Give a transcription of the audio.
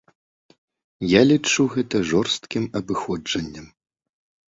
Я лічу гэта жорсткім абыходжаннем.